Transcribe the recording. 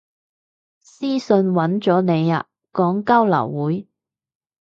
私訊搵咗你啊，講交流會